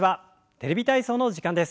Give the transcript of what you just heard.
「テレビ体操」の時間です。